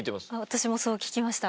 私もそう聞きました。